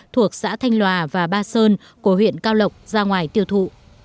thuộc xã thanh lòa và ba sơn của huyện cao lộc ra ngoài tiêu thụ